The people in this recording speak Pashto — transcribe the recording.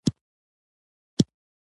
ټکنالوژي سره د ژوند اسانتیاوې زیاتیږي.